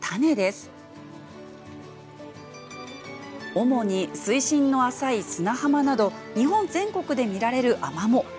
主に水深の浅い砂浜など日本全国で見られるアマモ。